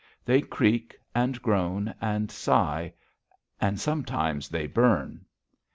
They creak and groan and sigh, and sometimes they burn.